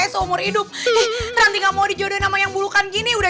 sampai jumpa di video selanjutnya